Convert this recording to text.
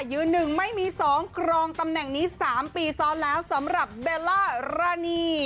ยืนหนึ่งไม่มี๒ครองตำแหน่งนี้๓ปีซ้อนแล้วสำหรับเบลล่ารานี